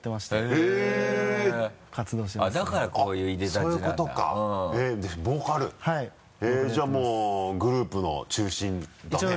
へぇじゃあもうグループの中心だね。